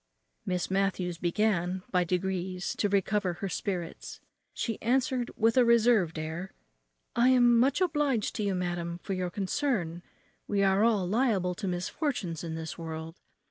Miss Matthews began, by degrees, to recover her spirits. She answered, with a reserved air, "I am much obliged to you, madam, for your concern; we are all liable to misfortunes in this world.